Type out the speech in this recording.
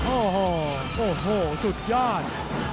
โอ้โหโอ้โหสุดยอด